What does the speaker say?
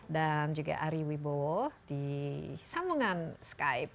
dan juga ari wibowo di sambungan skype